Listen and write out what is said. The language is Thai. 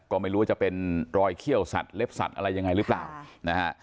ก็ไม่รู้ว่าจะเป็นรอยเขี้ยวสัตว์เล็บสัตว์อะไรยังไงหรือเปล่านะฮะ